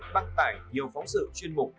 đề tài nhiều phóng sự chuyên mục